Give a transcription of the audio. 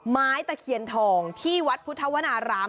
ไม้ตะเคียนทองที่วัดพุทธวนาราม